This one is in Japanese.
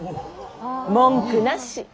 文句なし。